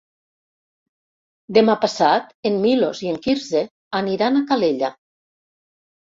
Demà passat en Milos i en Quirze aniran a Calella.